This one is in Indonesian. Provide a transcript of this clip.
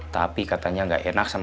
tapi katanya gak enak sama